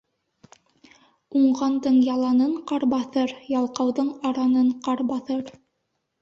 Уңғандың яланын ҡар баҫыр, ялҡауҙың аранын ҡар баҫыр.